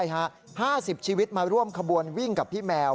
๕๐ชีวิตมาร่วมขบวนวิ่งกับพี่แมว